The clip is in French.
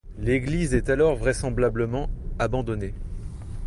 L'église est alors vraisemblablement abandonnée.